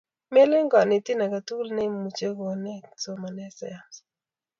melen konetin aketukul neimuch kunet somoitab sayance